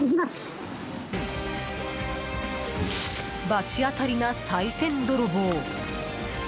罰当たりな、さい銭泥棒。